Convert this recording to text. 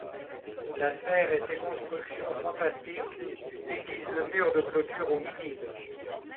La serre et ses constructions fantastiques déguisent le mur de clôture au midi.